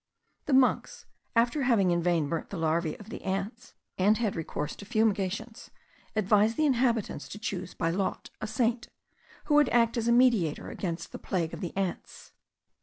The monks, after having in vain burnt the larvae of the ants, and had recourse to fumigations, advised the inhabitants to choose by lot a saint, who would act as a mediator against the plague of the ants.